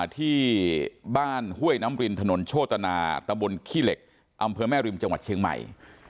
ที่บ้านห้วยน้ำรินถนนโชตนาตะบนขี้เหล็กอำเภอแม่ริมจังหวัดเชียงใหม่